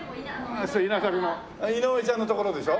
井上ちゃんのところでしょ？